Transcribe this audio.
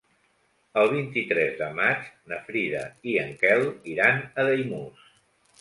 El vint-i-tres de maig na Frida i en Quel iran a Daimús.